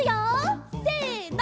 せの。